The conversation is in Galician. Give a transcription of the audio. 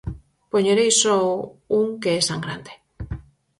Poñerei só un que é sangrante.